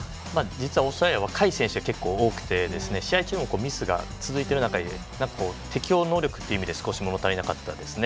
実はオーストラリアは若い選手が多くて試合中にもミスが続いていて適応能力という意味で少しもの足りなかったですね。